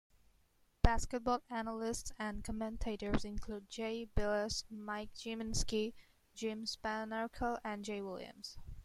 Basketball analysts and commentators include Jay Bilas, Mike Gminski, Jim Spanarkel, and Jay Williams.